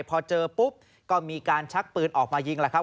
พอเจอปุ๊บก็มีการชักปืนออกมายิงแล้วครับ